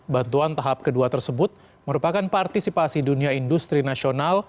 bantuan tahap kedua tersebut merupakan partisipasi dunia industri nasional